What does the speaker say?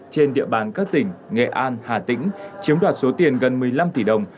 trên địa bàn các tỉnh nghệ an hà tĩnh chiếm đoạt số tiền gần một mươi năm tỷ đồng